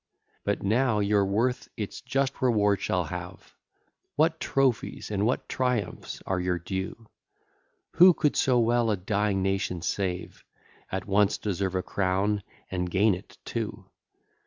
But now your worth its just reward shall have: What trophies and what triumphs are your due! Who could so well a dying nation save, At once deserve a crown, and gain it too.